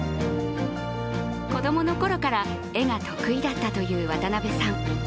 子供のころから絵が得意だったという渡邊さん。